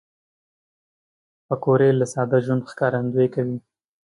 پکورې له ساده ژوند ښکارندويي کوي